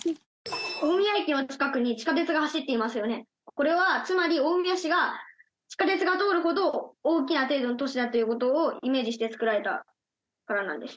これはつまり大宮市が地下鉄が通るほど大きな程度の都市だという事をイメージして作られたからなんです。